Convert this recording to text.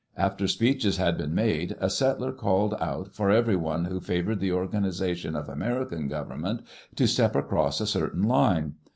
After speeches had been made, a settler called out for everyone who favored the organization of American government to step across a certain line.